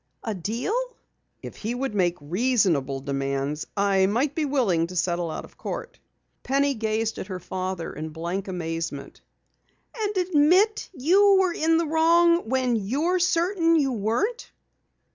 "A deal?" "If he would make reasonable demands I might be willing to settle out of court." Penny gazed at her father in blank amazement. "And admit you were in the wrong when you're certain you weren't?"